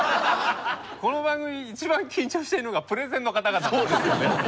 この番組一番緊張してるのがプレゼンの方々なんです。